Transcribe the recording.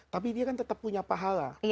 tapi dia kan tetap punya pahala